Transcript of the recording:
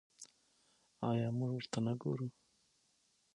آیا موږ ورته نه ګورو؟